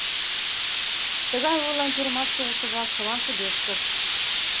Тыгай ойлан тюрьмаште улшо-влак чылан шыдешкышт.